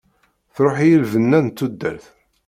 Truḥ-iyi lbenna n tudert.